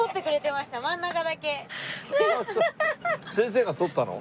先生が剃ったの？